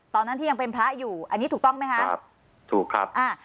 ตอนนั้นที่ยังเป็นพระอยู่อันนี้ถูกต้องไหมคะครับถูกครับอ่า